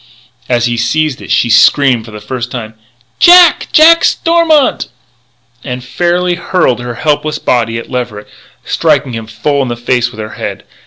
As he seized it she screamed for the first time: "Jack! Jack Stormont!" and fairly hurled her helpless little body at Leverett, striking him full in the face with her head.